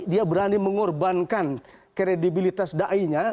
dia berani mengorbankan kredibilitas da'inya